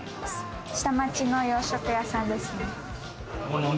下町の洋食屋さんですね。